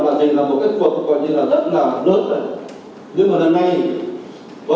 bây giờ những cái quân chúng ta thường thường đã cắm được đến người mấy ngày rồi